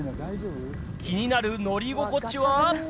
気になる乗り心地は？